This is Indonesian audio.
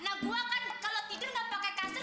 nah gua kan kalau tidur gak pakai kasur